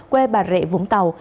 quê bà rịa vũng tàu